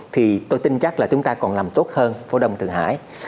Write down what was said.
thì tôi tin chắc là chúng ta còn làm tốt hơn phố đông tự hải